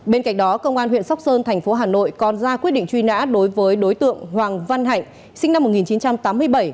bên cạnh đó công an huyện sóc sơn thành phố hà nội còn ra quyết định truy nã đối với đối tượng hoàng văn hạnh sinh năm một nghìn chín trăm tám mươi bảy